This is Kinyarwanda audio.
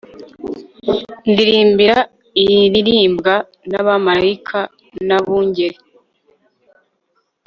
ndirimbira iririmbwa n'abamarayika n'abungeri